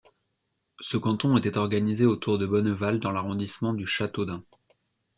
Ce canton était organisé autour de Bonneval dans l'arrondissement de Châteaudun.